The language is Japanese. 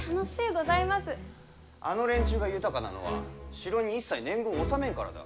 あの連中が豊かなのは城に一切年貢を納めんからだ。